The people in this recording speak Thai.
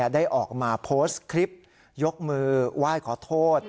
ได้ออกมาโพสต์คลิปยกมือไหว้ขอโทษ